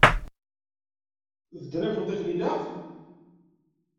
Bedden-akent akken ilaq?